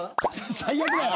最悪だよ！